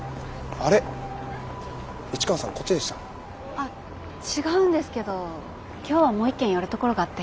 あっ違うんですけど今日はもう一軒寄るところがあって。